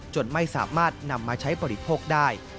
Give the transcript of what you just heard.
จนไม่สามารถนำมาใช้บริโภคได้